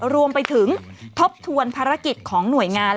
รวมไปถึงทบทวนภารกิจของหน่วยงาน